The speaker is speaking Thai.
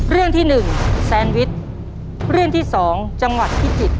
เรื่องแซนวิชครับ